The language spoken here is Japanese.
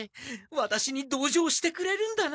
ワタシに同情してくれるんだな。